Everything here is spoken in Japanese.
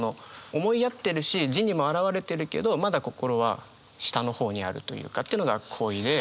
思い合ってるし字にも表れてるけどまだ「心」は下のにあるというのが「恋」で。